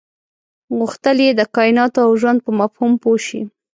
غوښتل یې د کایناتو او ژوند په مفهوم پوه شي.